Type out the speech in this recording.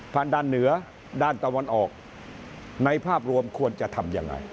ทางด้านเหนือด้านตะวันออกในภาพรวมควรจะทำยังไง